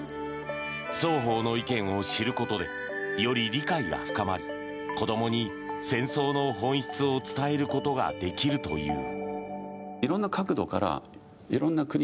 双方の意見を知ることでより理解が深まり子どもに戦争の本質を伝えることができるという。